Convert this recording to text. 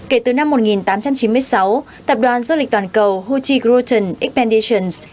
kể từ năm một nghìn tám trăm chín mươi sáu tập đoàn du lịch toàn cầu huchi groton expeditions